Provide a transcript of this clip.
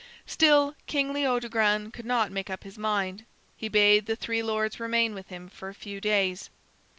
Still King Leodogran could not make up his mind. He bade the three lords remain with him for a few days.